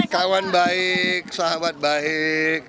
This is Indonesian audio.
kawan baik sahabat baik